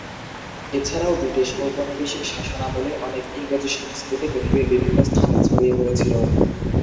এছাড়াও ব্রিটিশ ঔপনিবেশিক শাসনামলে অনেক ইংরেজ সংস্কৃতি পৃথিবীর বিভিন্ন স্থানে ছড়িয়ে পড়েছিল।